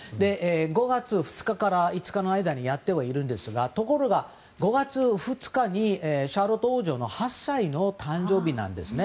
５月２日から５日の間にやってはいるんですがところが５月２日にシャーロット王女の８歳の誕生日なんですね。